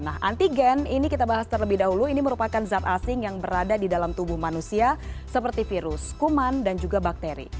nah antigen ini kita bahas terlebih dahulu ini merupakan zat asing yang berada di dalam tubuh manusia seperti virus kuman dan juga bakteri